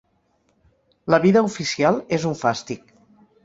La vida oficial és un fàstic.